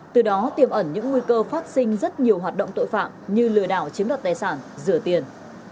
từ đó tiềm ẩn những nguy cơ phát sinh rất nhiều hoạt động tội phạm như lừa đảo chiếm đoạt tài sản rửa tiền